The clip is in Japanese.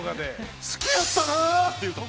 好きやったなって言うた。